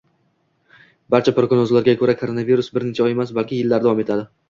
Barcha prognozlarga ko'ra, koronavirus bir necha oy emas, balki yillar davom etadi